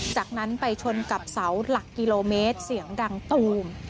จากนั้นไปชนกับเสาหลักกิโลเมตรเสียงดังตูม